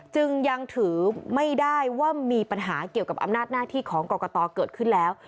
จึงยังถือไม่ได้ว่ามีปัญหาเกี่ยวกับอำนาจหน้าที่ของกรกตเกิดขึ้นแล้ว